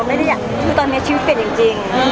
ไม่ไม่อยากได้อะไรจริง